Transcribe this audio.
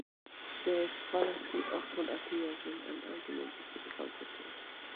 The fallacy often appears when an argument is difficult to oppose.